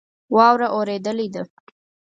واوره اوریدلی ده